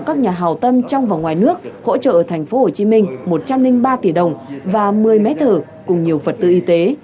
và hào tâm trong và ngoài nước hỗ trợ ở tp hcm một trăm linh ba tỷ đồng và một mươi mét thử cùng nhiều vật tư y tế